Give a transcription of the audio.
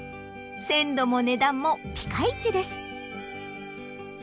鮮度も値段もピカイチです。